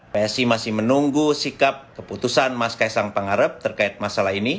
psi masih menunggu sikap keputusan mas kaisang pangarep terkait masalah ini